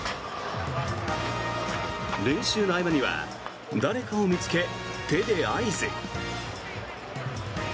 練習の合間には誰かを見つけ手で合図。